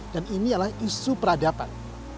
dan ini adalah isu peradaban